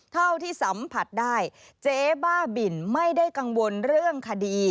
เท่าที่สัมผัสได้เจ๊บ้าบินไม่ได้กังวลเรื่องคดี